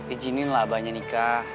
ijininlah abahnya nikah